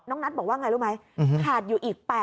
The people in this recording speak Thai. นัทบอกว่าไงรู้ไหมขาดอยู่อีก๘๐